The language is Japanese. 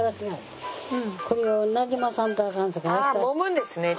あもむんですね。